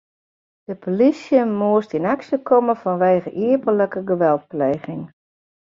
De polysje moast yn aksje komme fanwegen iepentlike geweldpleging.